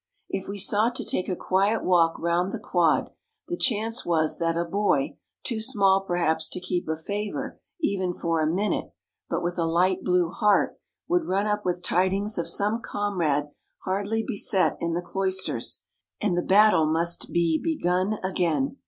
If we sought to take a quiet walk round the quad, the chance was that a boy, too small perhaps tio keep a favour even for a minute, but with a light blue heart, would run up with tidings of some comrade hardly beset in the cloisters, and the battle must be begun again.